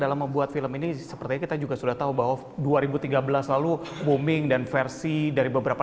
dan saya juga ingin mendibel unlike sells terhadap cerita dan cerita mereka